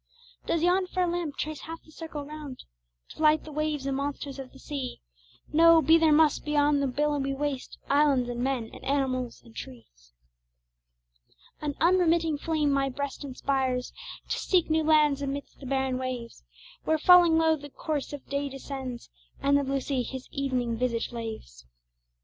Does yon fair lamp trace half the circle round To light the waves and monsters of the seas? No be there must beyond the billowy waste Islands, and men, and animals, and trees. An unremitting flame my breast inspires To seek new lands amidst the barren waves, Where falling low, the source of day descends, And the blue sea his evening visage laves.